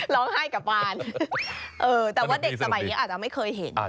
ร้องห้ายกะปาลเออว่าเด็กสมัยนี้อาจจะไม่เคยเห็น